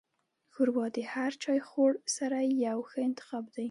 ښوروا د هر چایخوړ سره یو ښه انتخاب دی.